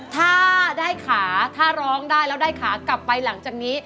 ถ้าได้ขาถ้าร้องได้แล้วได้ขากลับไปหลังจากนี้